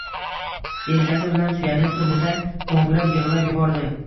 Yelkasi bilan suyanib turdi-da, hoʻngrab yigʻlab yubordi